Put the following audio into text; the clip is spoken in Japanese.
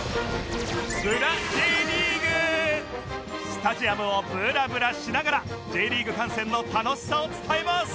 スタジアムをブラブラしながら Ｊ リーグ観戦の楽しさを伝えます！